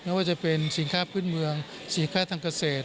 ว่าจะเป็นสินค้าพื้นเมืองสินค้าทางเกษตร